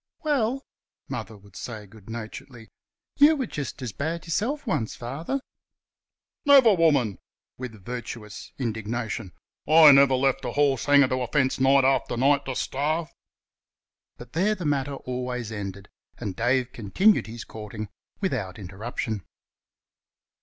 "Well" Mother would say good naturedly, "you were just as bad y'self once, Father." "Never, woman!" with virtuous indignation. "I never left a horse hanging to a fence night after night to starve." But there the matter always ended, and Dave continued his courting without interruption.